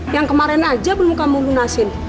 yang kemarin aja belum kamu lunasin